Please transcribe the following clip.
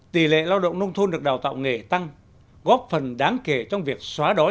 tỷ lệ lao động nông thôn được đào tạo nghề tăng góp phần đáng kể trong việc xóa đói